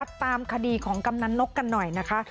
ตามคดีของกำนันนกกันหน่อยนะคะ